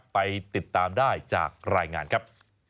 ไปติดตามได้จากรายงานครับ